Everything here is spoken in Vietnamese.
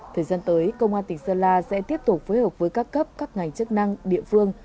thời gian tới công an tỉnh sơn la sẽ tiếp tục phối hợp với các cấp các ngành chức năng địa phương